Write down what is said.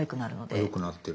よくなってる。